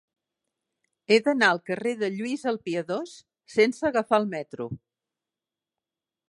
He d'anar al carrer de Lluís el Piadós sense agafar el metro.